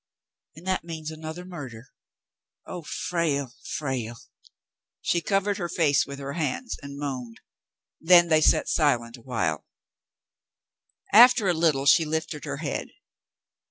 "And that means another murder ! Oh, Frale, Frale !" She covered her face with her hands and moaned. Then they sat silent awhile. After a little she lifted her head.